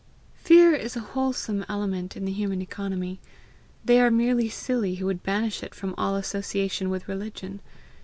Fear is a wholesome element in the human economy; they are merely silly who would banish it from all association with religion.